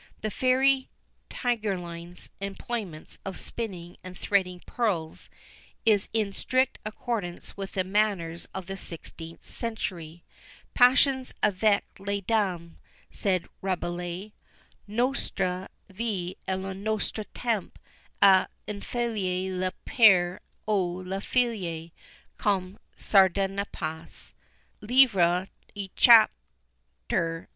The Fairy Tigreline's employments of spinning and threading pearls, is in strict accordance with the manners of the sixteenth century. "Passons avec les dames," says Rabelais, "nostres vie et nostres temps à enfiler les perles ou à filer, comme Sardanapalus." Livre i. chap. 33.